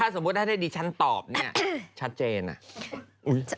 สมมุติถ้าได้ดิฉันตอบเนี่ยชัดเจนอะ